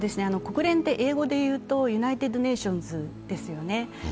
国連って英語で言うとユナイテッド・ネーションズですよね。